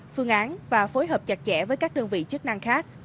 phương án và phối hợp chặt chẽ với các đơn vị chức năng khác